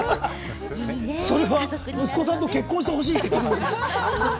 それは息子さんと結婚してほしいと言っているの？